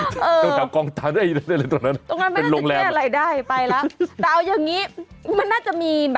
ตรงแถวกองตันตรงนั้นเป็นโรงแรมบ่อยไปแล้วถ้าเอาอย่างนี้มันน่าจะมีแบบ